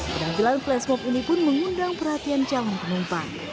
penampilan flashmob ini pun mengundang perhatian calon penumpang